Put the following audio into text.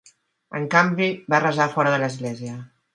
En canvi va resar fora de l'Església.